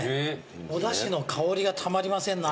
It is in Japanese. おだしの香りがたまりませんな。